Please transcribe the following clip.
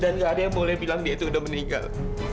dan gak ada yang boleh bilang dia itu udah meninggal